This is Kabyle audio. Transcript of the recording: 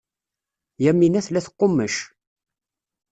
Yamina tella teqqummec.